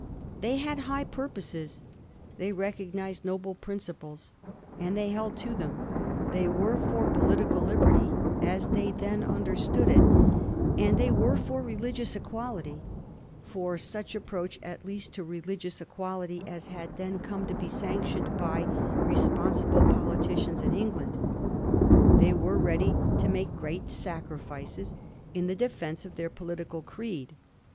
They had high purposes ; they recognised noble principles, and they held to them ; they were for political liberty as they then understood it, and they were ' for religious equality, for such approach at least to religious equality as had then come to be sanctioned by re sponsible politicians in England. They were ready to make great sacrifices in the defence of their political creed.